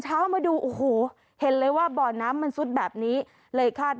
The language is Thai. เช้ามาดูโอ้โหเห็นเลยว่าบ่อน้ำมันซุดแบบนี้เลยคาด